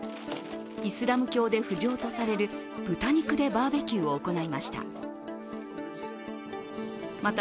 イスラム教で不浄とされる豚肉でバーベキューを行いました。